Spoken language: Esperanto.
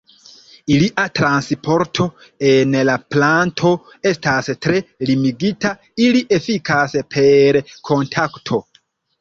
Ilia transporto en la planto estas tre limigita, ili efikas per kontakto.